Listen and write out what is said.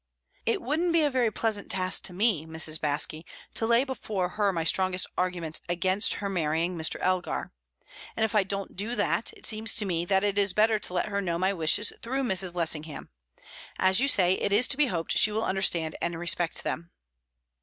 "It wouldn't be a very pleasant task to me, Mrs. Baske, to lay before her my strongest arguments against her marrying Mr. Elgar. And if I don't do that, it seems to me that it is better to let her know my wishes through Mrs. Lessingham. As you say, it is to be hoped she will understand and respect them."